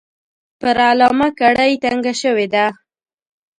پر علامه کړۍ تنګه شوې ده.